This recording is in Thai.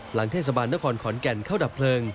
หลังเทศบาลนครขอนแก่นเข้าดับเพลิง